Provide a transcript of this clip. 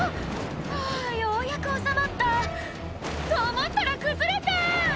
はぁようやく収まったと思ったら崩れた！